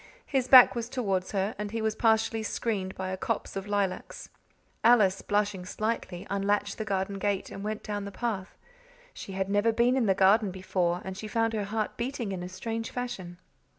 His back was towards her, and he was partially screened by a copse of lilacs. Alice, blushing slightly, unlatched the garden gate, and went down the path. She had never been in the garden before, and she found her heart beating in a strange fashion.